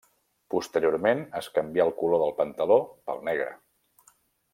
Posteriorment es canvià el color del pantaló pel negre.